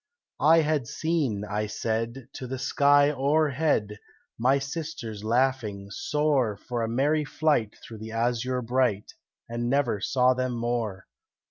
"I had seen," I said, "to the sky o'erhead My sisters, laughing, soar For a merry flight through the azure bright, And never saw them more.